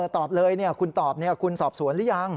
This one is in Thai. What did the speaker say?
ตอบเลยคุณตอบคุณสอบสวนหรือยัง